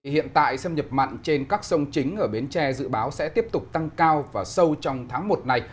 hiện tại xâm nhập mặn trên các sông chính ở bến tre dự báo sẽ tiếp tục tăng cao và sâu trong tháng một này